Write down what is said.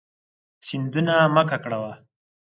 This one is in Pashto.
سیندونه مه ککړوه.